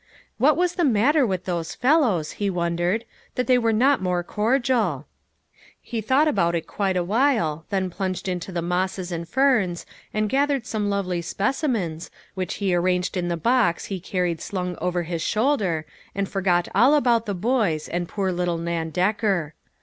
What was the matter with those fellows, he won dered, that they were not more cordial ? He thought about it quite awhile, then plunged into the mosses and ferns and gathered some lovely specimens, which he arranged in the box he carried slung over his shoulder, and forgot all about the boys, and poor little Nan Decker.